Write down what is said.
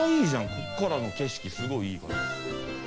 ここからの景色、すごくいい。